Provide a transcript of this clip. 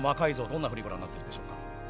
どんなふうにご覧になってるんでしょうか？